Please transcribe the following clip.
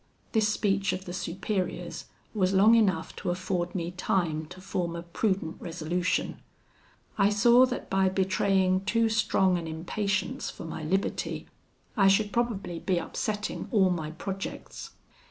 "This speech of the Superior's was long enough to afford me time to form a prudent resolution. I saw that by betraying too strong an impatience for my liberty, I should probably be upsetting all my projects.